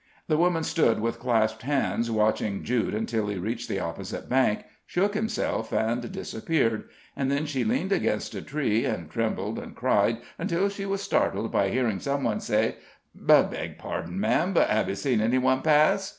The woman stood with clasped hands watching Jude until he reached the opposite bank, shook himself, and disappeared, and then she leaned against a tree and trembled and cried until she was startled by hearing some one say: "Beg pardon, madame, but have you seen any one pass?"